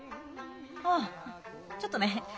あちょっとね。